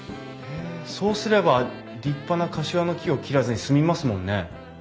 そうすれば立派なカシワの木を切らずに済みますもんね。